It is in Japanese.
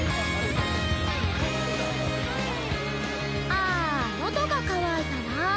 ああ喉が渇いたなぁ。